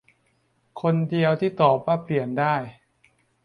คนเดียวที่ตอบว่าเปลี่ยนได้